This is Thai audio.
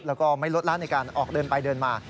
แล้วก็ไม่ลดละในการออกเดินไปเดินมา